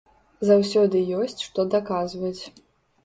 Заўсёды ёсць што даказваць.